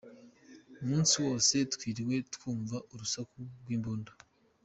Umunsi wose twiriwe twumva urusaku rw’imbunda.